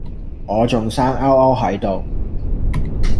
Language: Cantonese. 我仲生勾勾係度